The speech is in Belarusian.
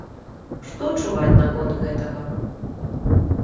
Што чуваць наконт гэтага?